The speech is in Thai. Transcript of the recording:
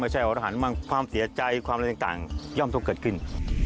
ไม่ใช่อรหัสบ้างความเสียใจความเลขต่างย่อมต้องเกิดขึ้น